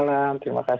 salam pak alex